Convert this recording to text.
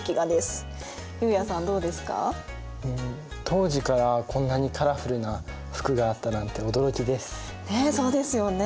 当時からこんなにカラフルな服があったなんて驚きです。ね。